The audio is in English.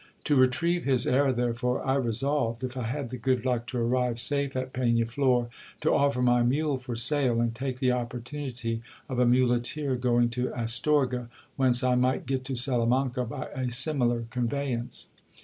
To retrieve his error, therefore, I resolved, if I had the good luck to arrive safe at Pegnaflor, to offer my mule for sale, and take the opportunity of a muleteer going to Astorga, whence I might get to Salamanca by a similar conveyance.